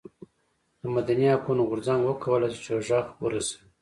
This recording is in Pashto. د مدني حقونو غورځنګ وکولای شول چې غږ ورسوي.